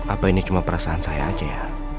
apa ini cuma perasaan saya aja ya